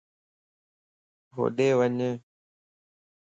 ھوڏي وڃ